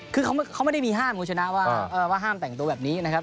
คือเขาไม่ได้มีห้ามคุณชนะว่าห้ามแต่งตัวแบบนี้นะครับ